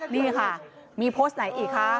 นี่ค่ะมีโพสต์ไหนอีกคะ